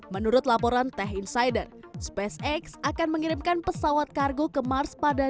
menurut laporan tech insider spacex akan mengirimkan pesawat kargo ke mars pada dua ribu dua puluh